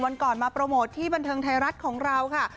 วันก่อนมาโปรโมทที่บันเทิงไทยรัฐของเราค่ะ